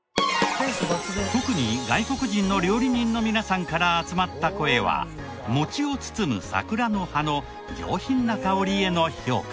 特に外国人の料理人の皆さんから集まった声は餅を包む桜の葉の上品な香りへの評価。